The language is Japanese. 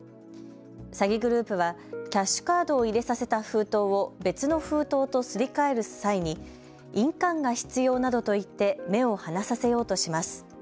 詐欺グループはキャッシュカードを入れさせた封筒を別の封筒とすり替える際に印鑑が必要などと言って目を離させようとします。